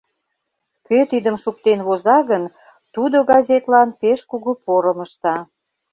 Кӧ тидым шуктен воза гын, тудо газетлан пеш кугу порым ышта.